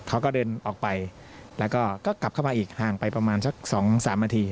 เขาก็เดินออกไปแล้วก็กลับเข้ามาอีกห่างไปประมาณสักสองสามนาที